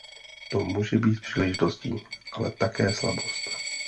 To může být příležitost, ale také slabost.